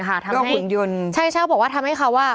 หุ่นยนต์ใช่เช่าบอกว่าทำให้เขาอ่ะ